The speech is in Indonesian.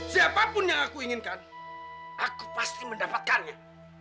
siapapun yang aku inginkan aku pasti mendapatkannya